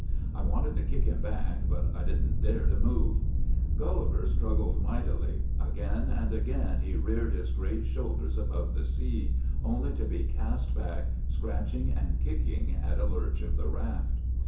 I wanted to kick him back, but I did n't dare to move. " Gulliver struggled mightily. Again and again he reared his great shoulders above the sea, only to be cast back, scratching and kicking, at a lurch of the raft.